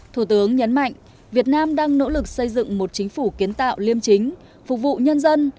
thủ tướng nhấn mạnh việt nam đang nỗ lực xây dựng một chính phủ kiến tạo liêm chính phục vụ nhân dân